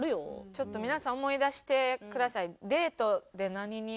ちょっと皆さん思い出してください。